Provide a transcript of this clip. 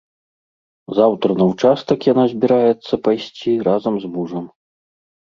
Заўтра на ўчастак яна збіраецца пайсці разам з мужам.